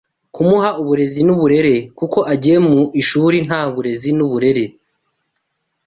kumuha uburezi n’uburere kuko agiye mu ishuri nta burezi n’uburere